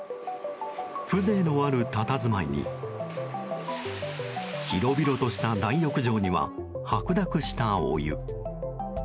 風情のあるたたずまいに広々とした大浴場には白濁したお湯。